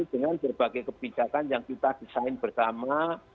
dengan berbagai kebijakan yang kita desain bersama